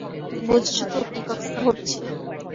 বুঝেছ তো কী কথাটা হচ্ছে?